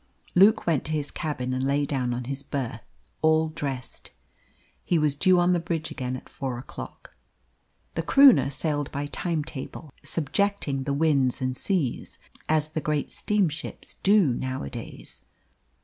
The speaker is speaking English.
Luke went to his cabin and lay down on his berth all dressed. He was due on the bridge again at four o'clock. The Croonah sailed by time table, subjecting the winds and seas, as the great steamships do nowadays.